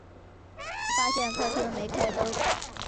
发现客厅没开灯